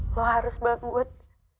lo harus bangun